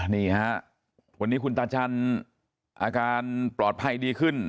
นี่ฮะวันนี้คุณตาจันทร์อาการปลอดภัยดีขึ้น